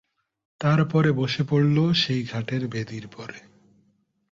তার পরে বসে পড়ল সেই ঘাটের বেদির পরে।